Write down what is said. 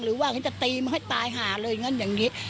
หรือว่าฉันจะตีมึงให้ตายหาเลยอย่างนั้นอย่างนี้